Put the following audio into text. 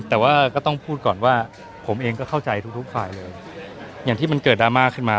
แต่ว่าก็ต้องพูดก่อนว่าผมเองก็เข้าใจทุกทุกฝ่ายเลยอย่างที่มันเกิดดราม่าขึ้นมา